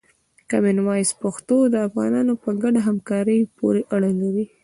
کامن وایس پښتو د افغانانو په ګډه همکاري پورې اړه لري.